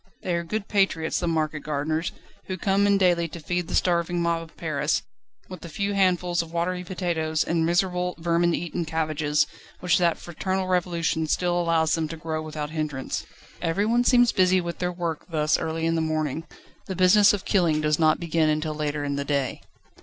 They are good patriots the market gardeners, who come in daily to feed the starving mob of Paris, with the few handfuls of watery potatoes, and miserable, vermin eaten cabbages, which that fraternal Revolution still allows them to grow without hindrance. Everyone seems busy with their work this early in the morning: the business of killing does not begin until later in the day.